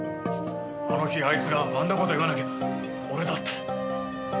あの日あいつがあんな事言わなきゃ俺だって。